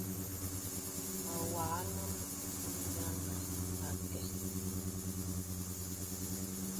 Me wàŋhaŋ me meŋhī kɛ̄.